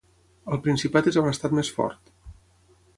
Al Principat és on ha estat més fort.